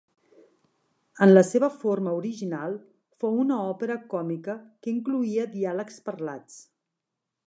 En la seva forma original, fou una òpera còmica, que incloïa diàlegs parlats.